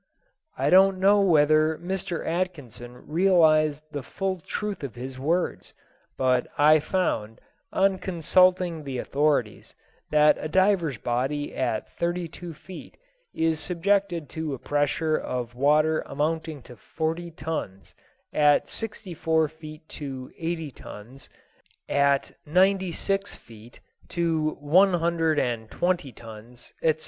I don't know whether Mr. Atkinson realized the full truth of his words, but I found, on consulting the authorities, that a diver's body at thirty two feet is subjected to a pressure of water amounting to forty tons, at sixty four feet to eighty tons, at ninety six feet to one hundred and twenty tons, etc.